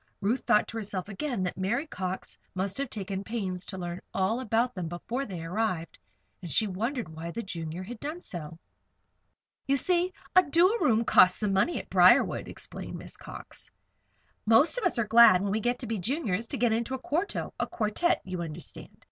Ruth thought to herself again that Mary Cox must have taken pains to learn all about them before they arrived, and she wondered why the Junior had done so. "You see, a duo room costs some money at Briarwood," explained Miss Cox. "Most of us are glad, when we get to be Juniors, to get into a quarto a quartette, you understand.